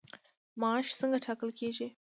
معاش څنګه ټاکل کیږي؟